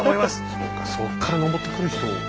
そうかそっから登ってくる人を。